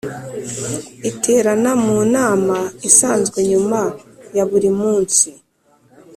Iterana mu nama isanzwe nyuma ya buri munsi